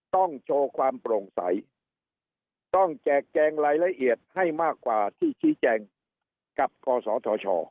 โชว์ความโปร่งใสต้องแจกแจงรายละเอียดให้มากกว่าที่ชี้แจงกับกศธช